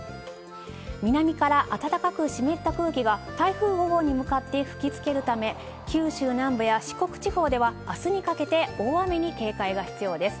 南から暖かく湿った空気が、台風５号に向かって吹きつけるため、九州南部や四国地方ではあすにかけて大雨に警戒が必要です。